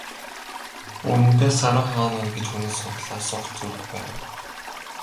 Үнэндээ, Саран хаана байна гэж хүнээс сураглан асуух ч зүрх байгаагүй.